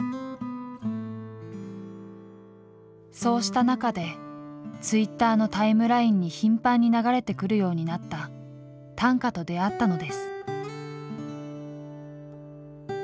そうした中でツイッターのタイムラインに頻繁に流れてくるようになった短歌と出会ったのです。